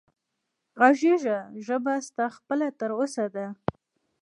غږېږه ژبه ستا خپله تر اوسه ده